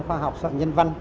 khoa học sở nhân văn